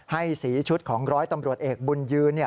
ให้สีชุดของร้อยตำรวจเอกบุญยืน